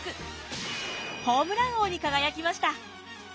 ホームラン王に輝きました。